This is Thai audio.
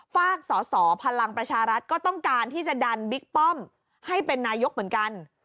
ฝากสอสอพลังประชารัฐก็ต้องการที่จะดันบิ๊กป้อมให้เป็นนายกเหมือนกัน